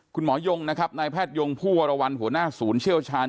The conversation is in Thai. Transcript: ยงนะครับนายแพทยงผู้วรวรรณหัวหน้าศูนย์เชี่ยวชาญ